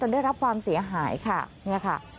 ได้รับความเสียหายค่ะเนี่ยค่ะ